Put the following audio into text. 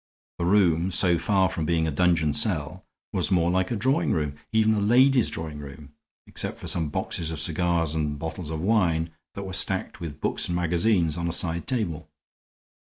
The room, so far from being a dungeon cell, was more like a drawing room, even a lady's drawing room, except for some boxes of cigars and bottles of wine that were stacked with books and magazines on a side table.